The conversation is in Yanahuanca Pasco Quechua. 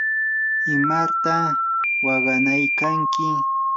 ¿imarta waqanaykanki?